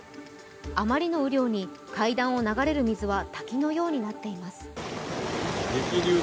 あまりの雨量に階段を流れる水は滝のようになっています。